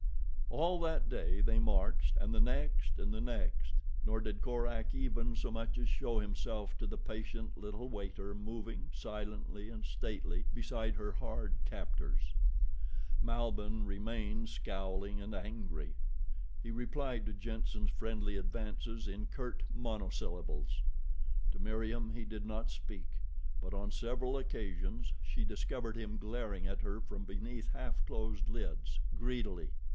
All that day they marched, and the next and the next, nor did Korak even so much as show himself to the patient little waiter moving, silently and stately, beside her hard captors. Malbihn remained scowling and angry. He replied to Jenssen's friendly advances in curt monosyllables. To Meriem he did not speak, but on several occasions she discovered him glaring at her from beneath half closed lids—greedily.